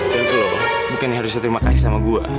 dan lo mungkin harusnya terima kasih sama gue